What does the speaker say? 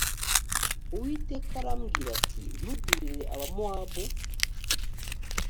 uwiteka arambwira ati ntugirire abamowabu